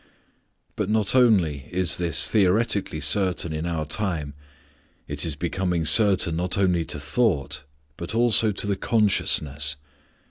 But not only is this theoretically certain in our time; it is becoming certain not only to thought, but also to the consciousness.